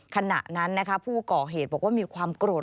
ขณะนั้นผู้ก่อเหตุบอกว่ามีความโกรธ